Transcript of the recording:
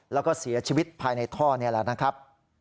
แล้วก็เสียชีวิตภายในท่อนี่แหละนะครับ